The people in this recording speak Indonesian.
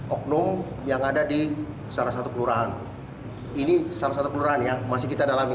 oknum yang ada di salah satu kelurahan ini salah satu kelurahan yang masih kita dalami